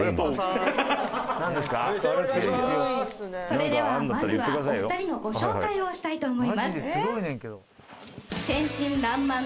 それではまずはお二人のご紹介をしたいと思います。